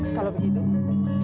biar aku bicara dengan naji